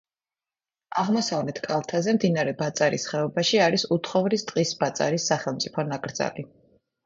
აღმოსავლეთ კალთაზე მდინარე ბაწარის ხეობაში არის უთხოვრის ტყის ბაწარის სახელმწიფო ნაკრძალი.